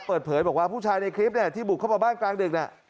เปิดเผยบอกว่าผู้ชายในคลิปเนี่ยที่บุกเข้ามาบ้านกลางดึก